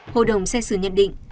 hội đồng xét xử nhất định